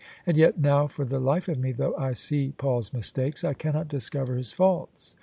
And yet now for the life of me though I see Paul's mistakes, I cannot discovec his faults!